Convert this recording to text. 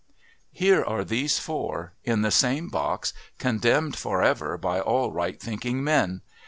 Here are these four, in the same box, condemned for ever by all right thinking men.